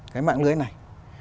cái mạng lưới này